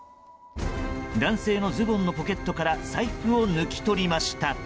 男性のズボンのポケットから財布を抜き取りました。